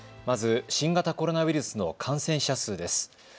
まず新型コロナウイルスの感染者数です。